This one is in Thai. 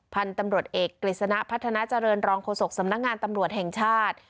พันธุ์ตำรวจเอกกฤษณะพัฒนาเจริญรองโฆษกสำนักงานตำรวจแห่งชาติ